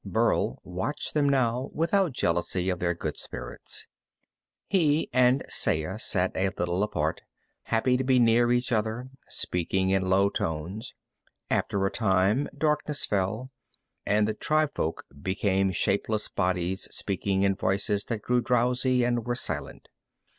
Burl watched them now without jealousy of their good spirits. He and Saya sat a little apart, happy to be near each other, speaking in low tones. After a time darkness fell, and the tribefolk became shapeless bodies speaking in voices that grew drowsy and were silent.